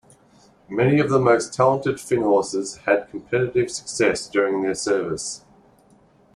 Many of the most talented Finnhorses had competitive success during their service.